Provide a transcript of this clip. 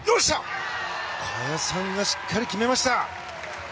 萱さんがしっかり決めました！